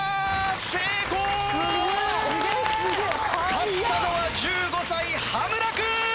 勝ったのは１５歳羽村君！